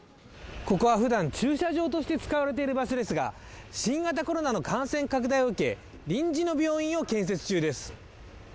ここはふだん、駐車場として使われている場所ですが、新型コロナの感染拡大を受け臨時の病院を建設中です。